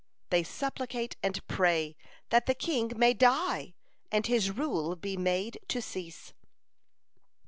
They supplicate and pray that the king may die, and his rule be made to cease.